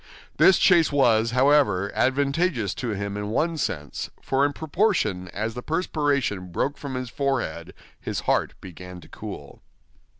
This chase was, however, advantageous to him in one sense, for in proportion as the perspiration broke from his forehead, his heart began to cool.